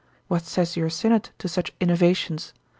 What says your synod to such innovations?